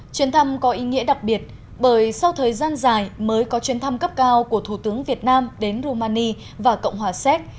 chuyến thăm có ý nghĩa đặc biệt bởi sau thời gian dài mới có chuyến thăm cấp cao của thủ tướng việt nam đến rumani và cộng hòa séc